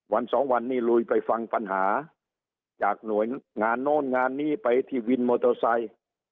สองวันนี้ลุยไปฟังปัญหาจากหน่วยงานโน้นงานนี้ไปที่วินมอเตอร์ไซค์